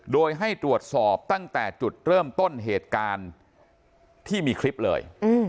โดยให้ตรวจสอบตั้งแต่จุดเริ่มต้นเหตุการณ์ที่มีคลิปเลย